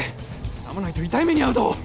さもないと痛い目に遭うぞ！